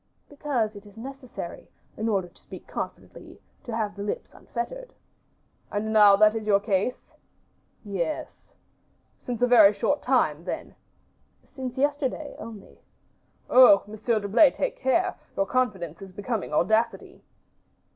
"Because it is necessary, in order to speak confidently, to have the lips unfettered." "And that is now your case?" "Yes." "Since a very short time, then?" "Since yesterday, only." "Oh! Monsieur d'Herblay, take care, your confidence is becoming audacity."